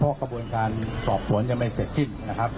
เพราะกระบวนการสอบสวนยังไม่เสร็จสิ้นนะครับ